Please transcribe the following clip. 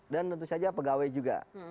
dan tentu saja pegawai juga